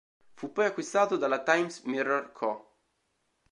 Fu poi acquistato dalla Times Mirror Co.